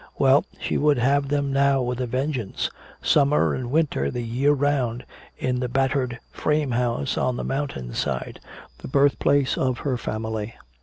Well, she would have them now with a vengeance, summer and winter, the year 'round, in the battered frame house on the mountain side, the birthplace of her family.